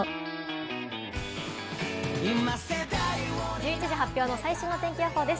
１１時発表の最新の天気予報です。